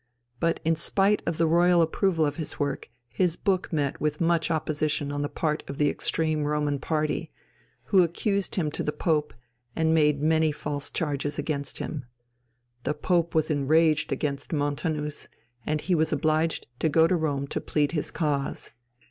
But in spite of the royal approval of his work his book met with much opposition on the part of the extreme Roman party, who accused him to the Pope and made many false charges against him. The Pope was enraged against Montanus, and he was obliged to go to Rome to plead his cause.